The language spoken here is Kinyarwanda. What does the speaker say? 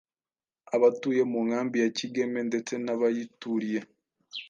abatuye mu nkambi ya Kigeme ndetse n’abayituriye.